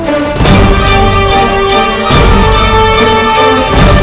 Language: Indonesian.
untuk mengalahkan kian santa